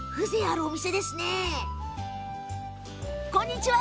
こんにちは！